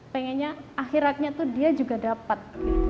pengennya akhiratnya tuh dia juga dapat